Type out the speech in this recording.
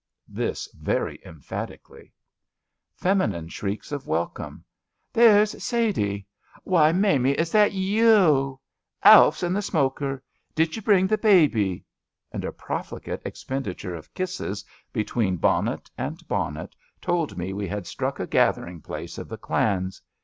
This very emphatically. Feminine shrieks of welcome: There's Sadie! '''' Why, Maimie, is that yeou! '''' Alf 's in the smoker. Did you bring the baby! '' and a profligate expenditure of kisses between bonnet and bonnet told me we had struck a gathering place of the clans.